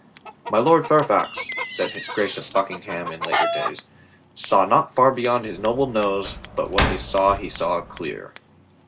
"My Lord Fairfax," said his Grace of Buckingham in later days, "saw not far beyond his noble nose but what he saw he saw clear."